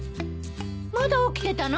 まだ起きてたの？